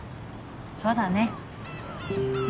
そうだね。